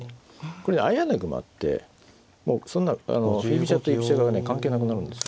これ相穴熊ってもうそんな振り飛車と居飛車がね関係なくなるんですよ。